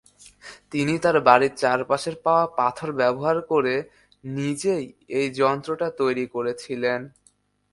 তিনি তার বাড়ির চারপাশে পাওয়া পাথর ব্যবহার করে নিজেই এই যন্ত্রটা তৈরি করেছিলেন।